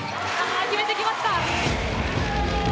決めてきました！